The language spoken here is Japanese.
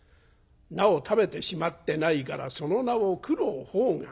菜を食べてしまってないから『その名を九郎判官』。